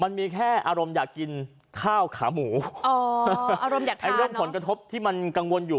มันมีแค่อารมณ์อยากกินข้าวขาหมูอารมณ์แดดความกระทบที่มันกังวลอยู่